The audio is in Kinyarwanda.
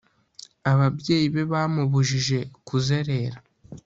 ababyeyibe bamubujije kuzerera